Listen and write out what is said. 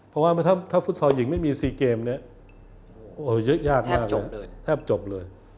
เพราะว่าถ้าฟุตซอลหญิงไม่มี๔เกมเนี่ยแยกหน้าเลยแทบจบเลย